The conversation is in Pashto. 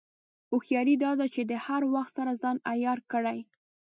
هوښیاري دا ده چې د هر وخت سره ځان عیار کړې.